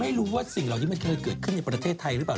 ไม่รู้ว่าสิ่งเหล่านี้มันเคยเกิดขึ้นในประเทศไทยหรือเปล่า